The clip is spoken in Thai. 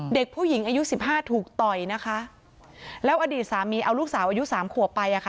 เด็กผู้หญิงอายุสิบห้าถูกต่อยนะคะแล้วอดีตสามีเอาลูกสาวอายุสามขวบไปอ่ะค่ะ